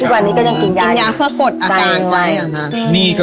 ไม่ได้ฆะ